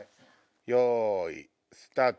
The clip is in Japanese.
よいスタート。